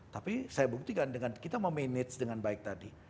tapi saya buktikan dengan kita memanage dengan baik tadi